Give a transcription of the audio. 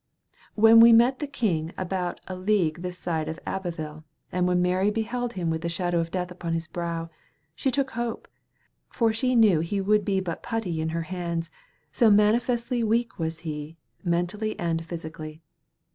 When we met the king about a league this side of Abbeville, and when Mary beheld him with the shadow of death upon his brow, she took hope, for she knew he would be but putty in her hands, so manifestly weak was he, mentally and physically.